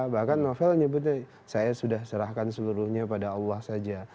bahkan novel nyebutnya saya sudah serahkan seluruhnya pada allah saja